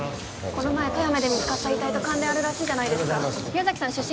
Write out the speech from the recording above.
この前富山で見つかった遺体と関連あるらしいじゃないですか宮崎さん出身